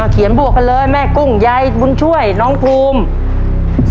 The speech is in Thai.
บวกกันเลยแม่กุ้งยายบุญช่วยน้องภูมิ